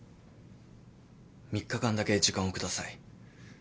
３日間だけ時間を下さい。